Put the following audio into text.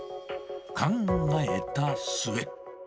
考えた末。